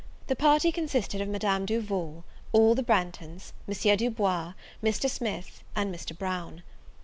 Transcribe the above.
The party consisted of Madame Duval, all the Branghtons, M. Du Bois, Mr. Smith, and Mr. Brown.